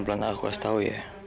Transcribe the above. apa pelan pelan aku harus tahu ya